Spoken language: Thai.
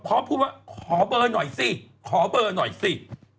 พร้อมพูดว่าขอเบอร์หน่อยสิขอเบอร์หน่อยสิ